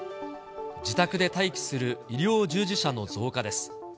自宅で待機する医療従事者の増加です。